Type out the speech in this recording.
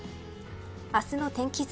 明日の天気図。